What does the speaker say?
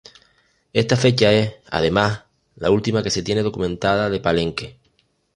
Esta fecha es, además, la última que se tiene documentada de Palenque.